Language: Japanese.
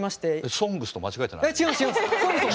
「ＳＯＮＧＳ」と間違えてないですよね？